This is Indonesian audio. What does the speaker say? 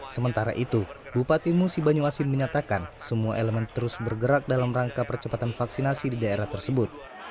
sementara itu bupati musi banyuasin menyatakan semua elemen terus bergerak dalam rangka percepatan vaksinasi di daerah tersebut